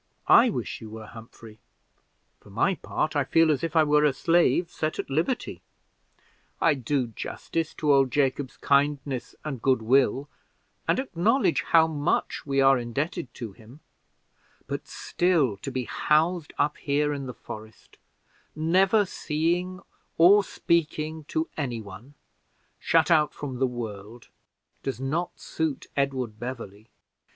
"I wish you were, Humphrey: for my part, I feel as if I were a slave set at liberty. I do justice to old Jacob's kindness and good will, and acknowledge how much we are indebted to him; but still to be housed up here in the forest, never seeing or speaking to any one, shut out from the world, does not suit Edward Beverley.